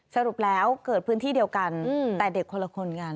สรุปแล้วเกิดพื้นที่เดียวกันแต่เด็กคนละคนกัน